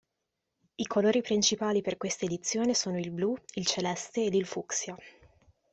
I colori principali per questa edizione sono il blu, il celeste ed il fucsia.